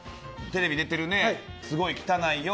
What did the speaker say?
テレビ出てるね、すごい汚いよ。